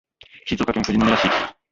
静岡県富士宮市